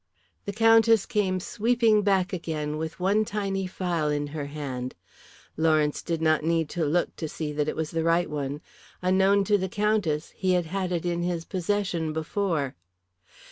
The Countess came sweeping back again with one tiny phial in her hand. Lawrence did not need to look to see that it was the right one. Unknown to the Countess, he had had it in his possession before.